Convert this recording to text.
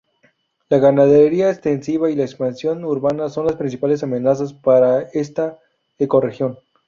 La ganadería extensiva y la expansión urbana son las principales amenazas para esta ecorregión.